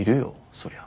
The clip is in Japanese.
そりゃ。